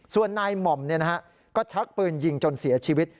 ส่วนนายหม่อมเนี่ยนะฮะก็ชักปืนยิงจนเสียชีวิต